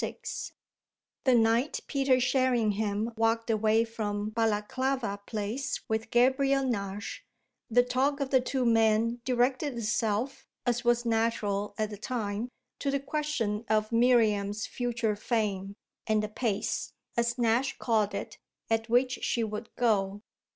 XXXVI The night Peter Sherringham walked away from Balaklava Place with Gabriel Nash the talk of the two men directed itself, as was natural at the time, to the question of Miriam's future fame and the pace, as Nash called it, at which she would go.